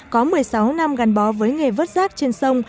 có một mươi sáu năm gắn bó với nghề vớt rác trên sông